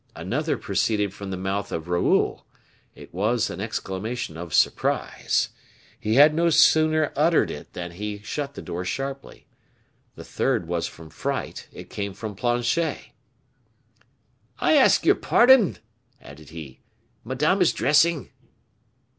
Another proceeded from the mouth of Raoul; it was an exclamation of surprise. He had no sooner uttered it than he shut the door sharply. The third was from fright; it came from Planchet. "I ask your pardon!" added he; "madame is dressing."